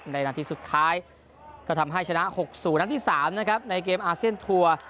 นาทีสุดท้ายก็ทำให้ชนะ๖๐นัดที่๓นะครับในเกมอาเซียนทัวร์